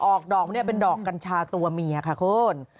ออกดอกเป็นดอกกัญชาตัวเมียค่ะคน